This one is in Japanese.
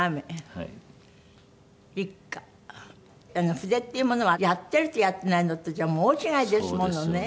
筆っていうものはやってるのとやってないのとじゃもう大違いですものねえ。